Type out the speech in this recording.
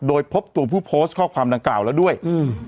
โดยพบตัวผู้โพสต์ข้อความดังกล่าวแล้วด้วยอืม